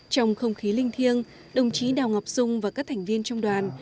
trong không khí linh thiêng đồng chí đào ngọc dung và các thành viên trong đoàn